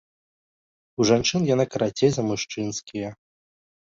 У жанчын яна карацей за мужчынскія.